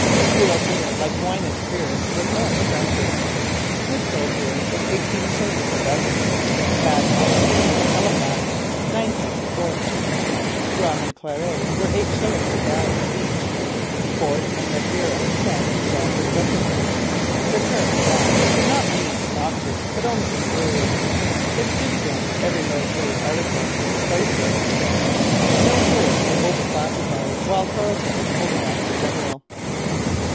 Real beer, like wine and spirits, was more expensive. 'Bristol Beer' was eighteen shillings a dozen, 'Bad malt Drink from Hellifax' ninepence a quart. Rum and claret were eight shillings a gallon each, port and Madeira ten and twelve respectively. The term 'Bad' did not then mean noxious, but only inferior. It stood against every low grade article in the price list. No goods were over classified while Carleton was quartermaster general.